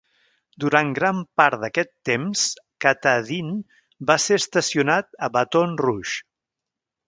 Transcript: Durant gran part d'aquest temps, "Katahdin" va ser estacionat a Baton Rouge.